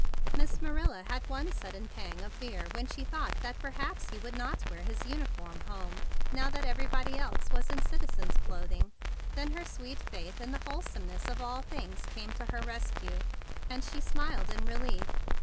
Miss Marilla had one sudden pang of fear when she thought that perhaps he would not wear his uniform home, now that everybody else was in citizen's clothing; then her sweet faith in the wholesomeness of all things came to her rescue, and she smiled in relief.